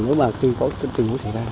nếu mà khi có chuyện xảy ra